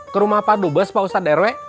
ke rumah pak dubes pak ustadz rw